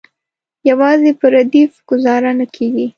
یوازې په ردیف ګوزاره نه کیږي.